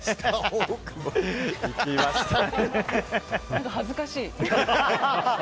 何か恥ずかしい。